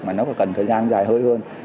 mà nó cần thời gian dài hơi hơn